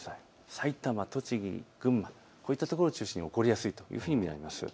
埼玉、栃木、群馬、こういったところを中心に起こりやすいというふうに見られます。